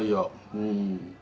うん。